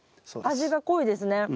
味が濃いですね。